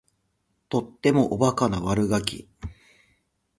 とってもおバカな悪ガキ